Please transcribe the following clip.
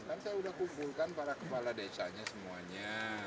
nanti saya sudah kumpulkan para kepala desanya semuanya